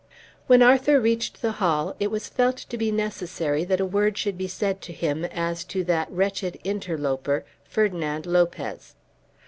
When Arthur reached the Hall it was felt to be necessary that a word should be said to him as to that wretched interloper, Ferdinand Lopez.